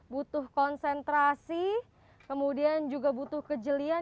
butuh konsentrasi kemudian juga butuh kejelian